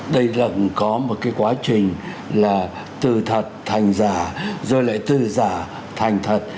đây là cũng có một cái quá trình là từ thật thành giả rồi lại từ giả thành thật